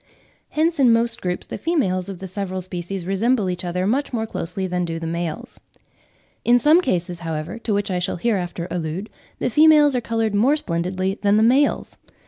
Hence in most groups the females of the several species resemble each other much more closely than do the males. In some cases, however, to which I shall hereafter allude, the females are coloured more splendidly than the males.